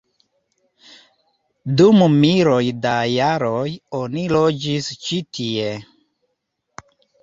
Dum miloj da jaroj oni loĝis ĉi tie.